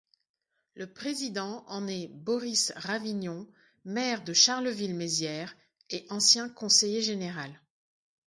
Le président en est Boris Ravignon, maire de Charleville-Mézières et ancien conseiller général.